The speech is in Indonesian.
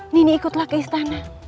nini ikutlah ke istana